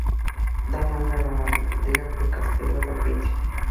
Da nombre a la aldea de Castelo do Príncipe.